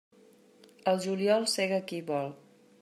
Al juliol sega qui vol.